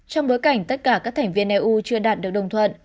trong bối cảnh tất cả các thành viên eu chưa đạt được đồng thuận